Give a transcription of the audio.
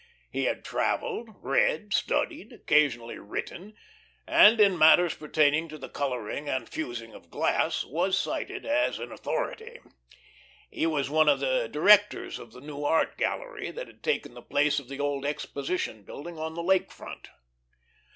He had travelled, read, studied, occasionally written, and in matters pertaining to the colouring and fusing of glass was cited as an authority. He was one of the directors of the new Art Gallery that had taken the place of the old Exposition Building on the Lake Front.